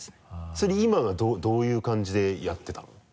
それ今はどういう感じでやってたの？